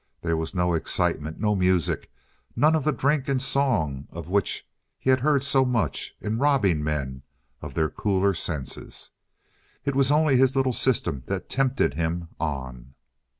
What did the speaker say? There was no excitement, no music, none of the drink and song of which he had heard so much in robbing men of their cooler senses. It was only his little system that tempted him on.